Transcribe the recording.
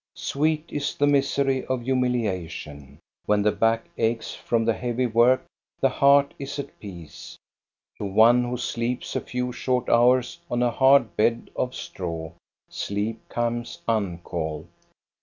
Sweet is the misery of humiliation. When the back aches from the heavy work the heart is at peace. To one who sleeps a few short hours on a hard bed of straw, sleep comes uncalled.